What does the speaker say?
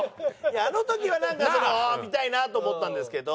あの時はなんかその見たいなと思ったんですけど。